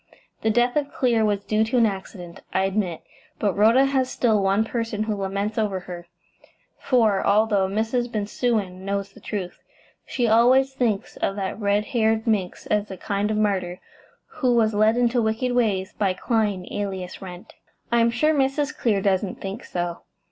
The death of Clear was due to an accident, I admit; but Rhoda has still one person who laments over her, for, although Mrs. Bensusan knows the truth, she always thinks of that red haired minx as a kind of martyr, who was led into wicked ways by Clyne, alias Wrent." "I am sure Mrs. Clear doesn't think so."